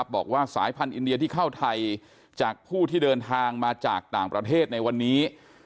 บอกว่าสายพันธุ์อินเดียที่เข้าไทยจากผู้ที่เดินทางมาจากต่างประเทศในวันนี้